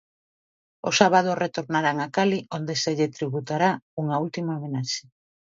O sábado retornarán a Cali onde se lle tributará unha última homenaxe.